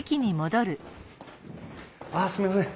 あすみません。